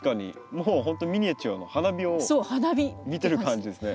もう本当にミニチュアの花火を見てる感じですね。